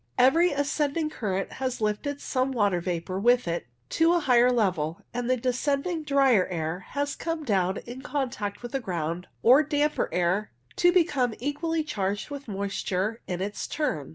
Every ascend ing current has lifted some water vapour with it to a higher level, and the descending drier air has come down in contact with the ground or damper air to become equally charged with moisture in its turn.